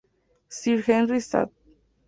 Sir Henry St.